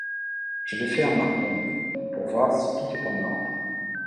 Je vais faire ma ronde, pour voir si tout est en ordre.